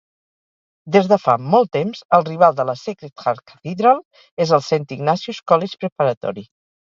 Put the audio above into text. Des de fa molt temps, el rival de la Sacred Heart Cathedral és el Saint Ignatius College Preparatory.